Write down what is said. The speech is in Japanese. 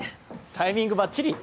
タイミングばっちり。